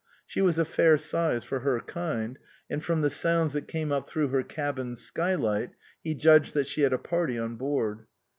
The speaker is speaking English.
She was a fair size for her kind, and from the sounds that came up through her cabin skylight he judged that she had a party on board.